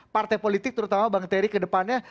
partai politik terutama bang terry kedepannya